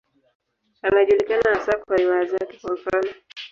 Anajulikana hasa kwa riwaya zake, kwa mfano.